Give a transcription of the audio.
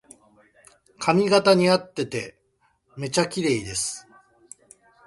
髪型にあっててめっちゃきれいです